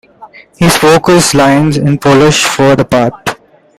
He spoke his lines in Polish for the part.